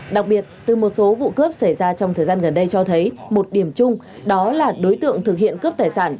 đặc biệt từ một số vụ cướp xảy ra trong thời gian gần đây cho thấy một điểm chung đó là đối tượng thực hiện cướp tài sản